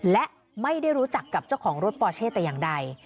และไม่ได้รู้จักกับเจ้าของรถปอเช่แต่อย่างใด